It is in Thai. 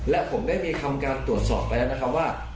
และผมได้มีคำการตรวจสอบไปแล้วนะครับว่า